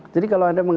jadi kalau anda